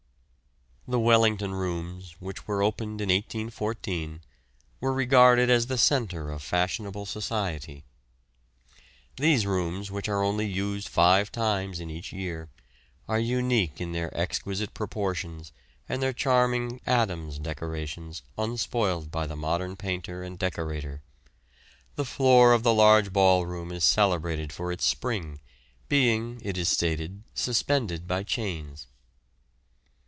The Wellington rooms, which were opened in 1814, were regarded as the centre of fashionable society. These rooms, which are only used five times in each year, are unique in their exquisite proportions and their charming Adams' decorations unspoiled by the modern painter and decorator. The floor of the large ballroom is celebrated for its spring, being, it is stated, suspended by chains.